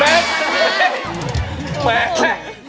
เล่นเฮ้